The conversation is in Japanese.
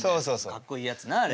かっこいいやつなあれ。